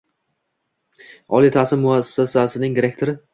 oliy ta’lim muassasasining rektori